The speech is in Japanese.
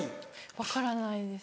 分からないです。